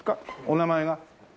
お名前が？